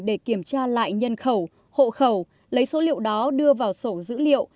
để kiểm tra lại nhân khẩu hộ khẩu lấy số liệu đó đưa vào sổ dữ liệu